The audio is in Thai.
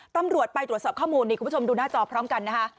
ตำรวจไปตรวจสอบข้อมูลนี่คุณผู้ชมดูหน้าจอพร้อมกันนะคะ